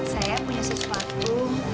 saya punya sesuatu